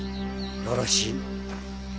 よろしい。